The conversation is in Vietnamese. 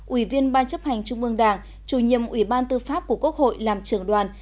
ủy viên ban chấp hành trung ương đảng chủ nhiệm ủy ban tư pháp của quốc hội làm trưởng đoàn